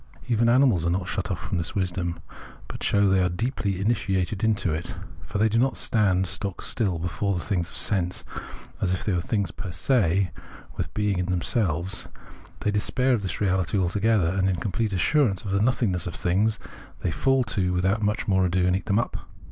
Even animals are not shut off from this wisdom ; but show they are deeply initiated into it. For they do not stand stock still before things of sense as if these were things fer se, with being in themselves : they despair of this reality altogether, and in complete assurance of the nothingness of things they fall to with out more ado and eat them up.